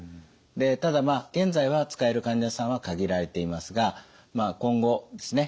ただ現在は使える患者さんは限られていますが今後ですね